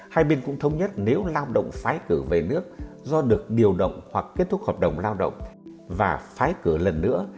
hai bên cũng thống nhất nếu lao động phái cử về nước do được điều động hoặc kết thúc hợp đồng lao động và phái cử lần nữa